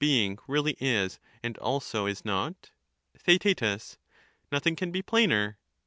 being, really is and also is not ? THBArrrrus. Theaet Nothing can be plainer.